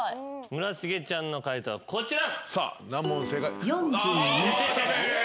村重ちゃんの解答はこちら。